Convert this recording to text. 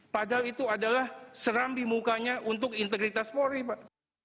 padahal itu adalah serambi mukanya untuk integritas polri pak